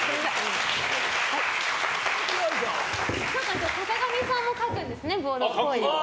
今日、坂上さんも書くんですねっぽい。